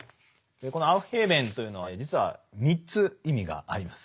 このアウフヘーベンというのは実は３つ意味があります。